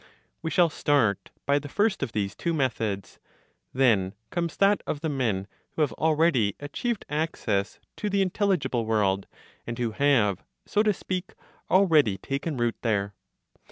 We shall start by the first of these two methods; then comes that of the men who have already achieved access to the intelligible world, and who have, so to speak, already taken root there.